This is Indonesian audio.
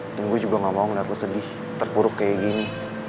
dan gue juga gak mau ngeliat lo sedih terpuruk kayak gini